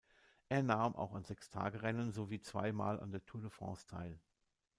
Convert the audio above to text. Er nahm auch an Sechstagerennen sowie zwei Mal an der Tour de France teil.